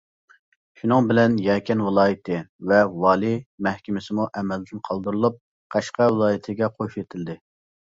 شۇنىڭ بىلەن يەكەن ۋىلايىتى ۋە ۋالىي مەھكىمىسىمۇ ئەمەلدىن قالدۇرۇلۇپ، قەشقەر ۋىلايىتىگە قوشۇۋېتىلدى.